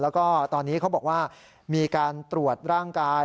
แล้วก็ตอนนี้เขาบอกว่ามีการตรวจร่างกาย